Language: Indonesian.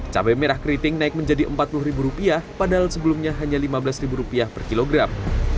cabai merah keriting naik menjadi empat puluh ribu rupiah padahal sebelumnya hanya lima belas ribu rupiah per kilogram